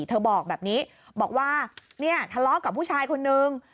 บอกแบบนี้บอกว่าเนี่ยทะเลาะกับผู้ชายคนนึง